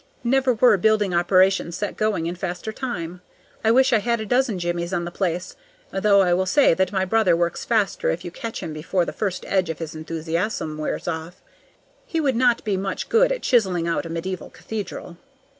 Never were building operations set going in faster time. I wish I had a dozen Jimmies on the place, though I will say that my brother works faster if you catch him before the first edge of his enthusiasm wears away. He would not be much good at chiseling out a medieval cathedral.